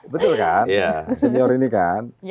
betul kan senior ini kan